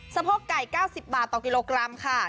สะโพกไก่๙๐บาทต่อกิโลกรัมค่ะ